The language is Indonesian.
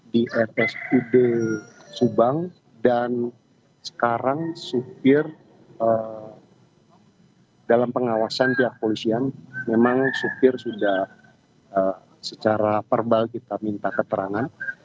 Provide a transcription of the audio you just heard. di rsud subang dan sekarang supir dalam pengawasan pihak polisian memang supir sudah secara verbal kita minta keterangan